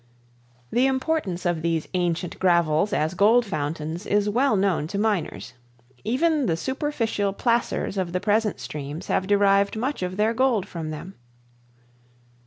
The importance of these ancient gravels as gold fountains is well known to miners. Even the superficial placers of the present streams have derived much of their gold from them.